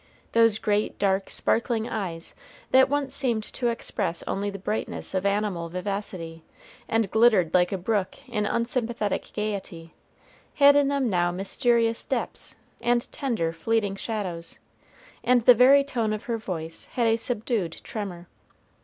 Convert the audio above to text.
Those great, dark, sparkling eyes that once seemed to express only the brightness of animal vivacity, and glittered like a brook in unsympathetic gayety, had in them now mysterious depths, and tender, fleeting shadows, and the very tone of her voice had a subdued tremor.